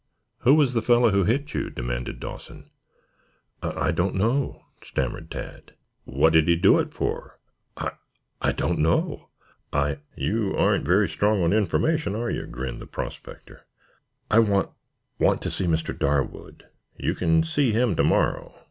"Who was the fellow who hit you?" demanded Dawson. "I I don't know," stammered Tad. "What did he do it for?" "I I don't know. I " "You aren't very strong on information, are you?" grinned the prospector. "I want want to see Mr. Darwood." "You can see him to morrow.